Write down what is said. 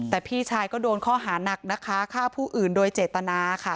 แต่พี่ชายก็โดนข้อหานักนะคะฆ่าผู้อื่นโดยเจตนาค่ะ